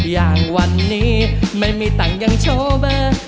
อย่างวันนี้ไม่มีตังค์ยังโชว์เบอร์